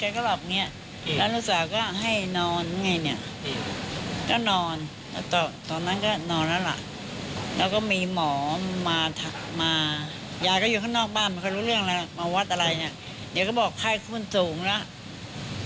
ตอนนั้นก็นอนแล้วละแล้วก็มีหมอมายายก็อยู่ข้างนอกบ้านไม่เคยรู้เรื่องอะไรละมาวัดอะไรเนี่ยเดี๋ยวก็บอกไข้คุณสูงแล้ว